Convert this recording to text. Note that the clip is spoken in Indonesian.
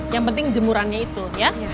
yang penting jemurannya itu ya